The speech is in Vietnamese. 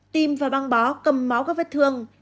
tim và băng bó cầm máu các vết thương